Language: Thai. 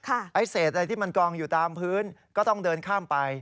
ไอ้เศษอะไรที่มันกองอยู่ตามพื้นก็ต้องเดินข้ามไป